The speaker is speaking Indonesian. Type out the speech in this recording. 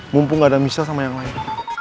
mumpung gak ada misal sama yang lain